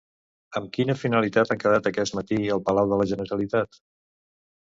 Amb quina finalitat han quedat aquest matí al Palau de la Generalitat?